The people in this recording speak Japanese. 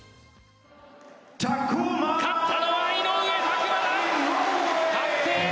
勝ったのは井上拓真！